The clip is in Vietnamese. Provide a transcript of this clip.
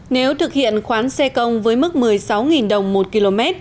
nếu thực hiện khoán xe công với mức một mươi sáu đồng một km